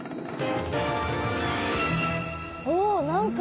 おお！何か。